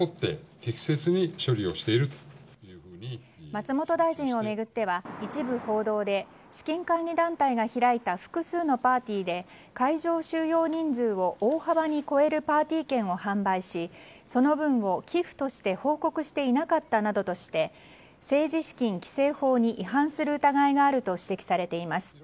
松本大臣を巡っては一部報道で資金管理団体が開いた複数のパーティーで会場収容人数を大幅に超えるパーティー券を販売しその分を寄付として報告していなかったなどとして政治資金規正法に違反する疑いがあると指摘されています。